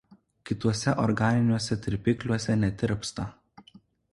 Kituose organiniuose tirpikliuose netirpsta.